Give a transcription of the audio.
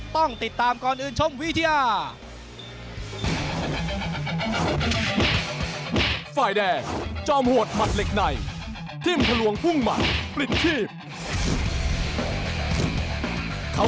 ต้องติดตามก่อนอื่นชมวิทยา